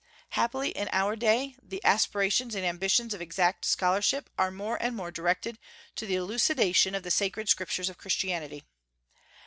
Happily, in our day, the aspirations and ambitions of exact scholarship are more and more directed to the elucidation of the sacred Scriptures of Christianity.